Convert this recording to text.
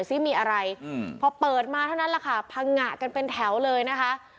ซิมีอะไรพอเปิดมาเท่านั้นแหละค่ะพังงะกันเป็นแถวเลยนะคะ